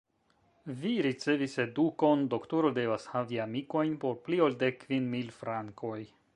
Vi ricevis edukon: doktoro devas havi amikojn por pli ol dek kvin mil frankoj.